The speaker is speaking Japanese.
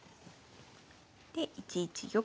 で１一玉。